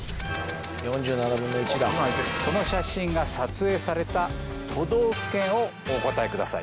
その写真が撮影された都道府県をお答えください